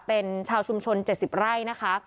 เป็นชาวชุมชน๗๐ไร่นะคะ